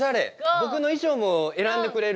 僕の衣装も選んでくれる。